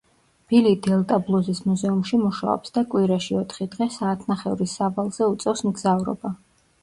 ბილი დელტა ბლუზის მუზეუმში მუშაობს და კვირაში ოთხი დღე საათნახევრის სავალზე უწევს მგზავრობა.